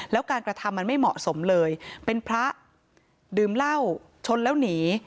แล้วการกระทำมันไม่เหมาะสมเลยเป็นพระดื่มเหล้าชนแล้วหนี